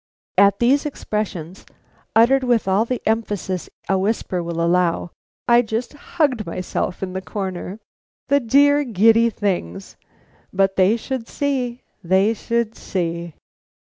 _" At these expressions, uttered with all the emphasis a whisper will allow, I just hugged myself in my quiet corner. The dear, giddy things! But they should see, they should see.